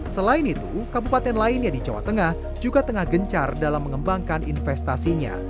selain itu kabupaten lainnya di jawa tengah juga tengah gencar dalam mengembangkan investasinya